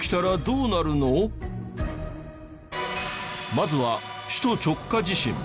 まずは首都直下地震。